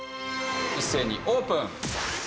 一斉にオープン。